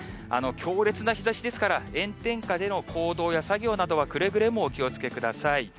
強烈な日ざしですから、炎天下での行動や作業などはくれぐれもお気をつけください。